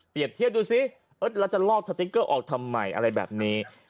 เทียบดูสิแล้วจะลอกสติ๊กเกอร์ออกทำไมอะไรแบบนี้